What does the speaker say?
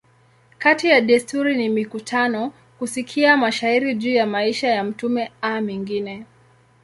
Kati ya desturi ni mikutano, kusikia mashairi juu ya maisha ya mtume a mengine.